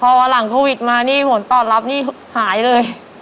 พอหลังโควิดมานี่ผลตอบรับนี่หายเลย